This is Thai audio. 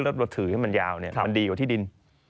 แล้วถือให้มันยาวเนี่ยมันดีกว่าที่ดิน